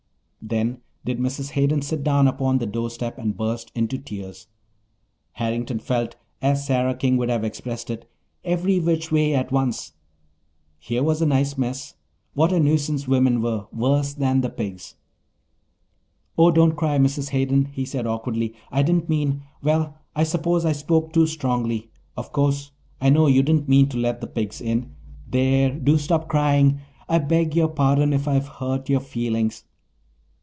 Then did Mrs. Hayden sit down upon the doorstep and burst into tears. Harrington felt, as Sarah King would have expressed it, "every which way at once." Here was a nice mess! What a nuisance women were—worse than the pigs! "Oh, don't cry, Mrs. Hayden," he said awkwardly. "I didn't mean—well, I suppose I spoke too strongly. Of course I know you didn't mean to let the pigs in. There, do stop crying! I beg your pardon if I've hurt your feelings."